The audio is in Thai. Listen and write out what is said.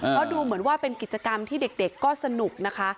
เพราะดูเหมือนว่าเป็นกิจกรรมที่เด็กก็สนุกนะคะ